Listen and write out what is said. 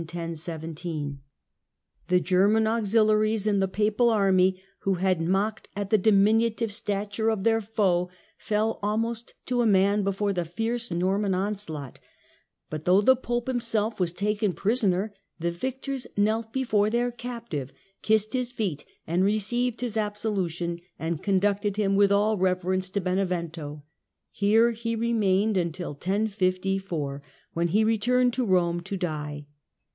The German i^^^ 38 THE CENTRAL PERIOD OF THE MIDDLE AGE auxiliaries in the Papal army, who had mocked at the diminutive stature of their foes, fell almost to a man before the fierce Norman onslaught, but though the Pope himself was taken prisoner, the victors knelt before their captive, kissed his feet, received his absolution, and con ducted him with all reverence to Benevento. Here he re mained till 1054, when he returned to Eome to die.